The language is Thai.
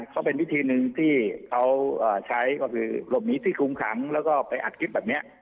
เขาเป็นวิธีนึงที่เขาเอ่อใช้ก็คือรบนี้ที่คุ้มครั้งแล้วก็ไปอัดคลิปแบบเนี้ย